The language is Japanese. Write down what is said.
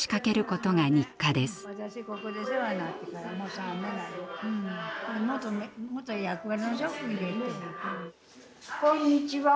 こんにちは。